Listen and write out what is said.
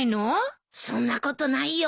そんなことないよ。